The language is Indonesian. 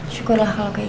syukurlah kalau kayak gitu